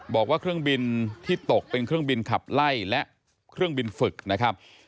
บอกว่าเครื่องบินที่ตกเป็นเครื่องบินขับไล่และเครื่องบินฝึกนะครับ